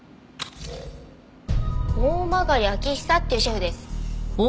大曲昭久っていうシェフです。